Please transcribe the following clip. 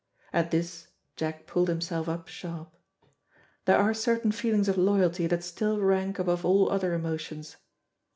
At this Jack pulled himself up sharp. There are certain feelings of loyalty that still rank above all other emotions.